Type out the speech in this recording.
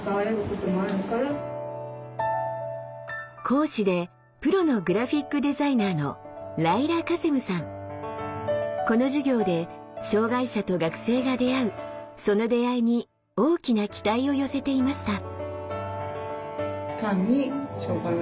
講師でプロのグラフィックデザイナーのこの授業で障害者と学生が出会うその出会いに大きな期待を寄せていました。